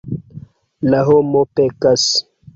La homo pekas.